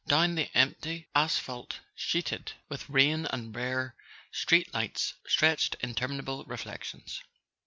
Down the empty asphalt sheeted with rain the rare street lights stretched interminable reflections.